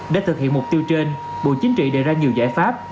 để thực hiện mục tiêu trên bộ chính trị đề ra nhiều giải pháp